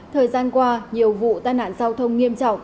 thời gian qua nhiều vụ tai nạn giao thông nghiêm trọng